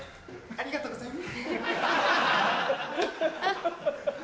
ありがとうございます。